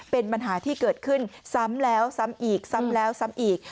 เป็นปัญหาที่เกิดขึ้นซ้ำแล้วซ้ำอีกซ้ำแล้วซ้ำอีก